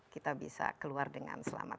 kita bisa keluar dengan selamat